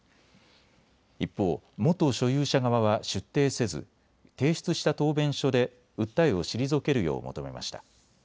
一方、元所有者側は出廷せず提出した答弁書で訴えを退けるよう求めました。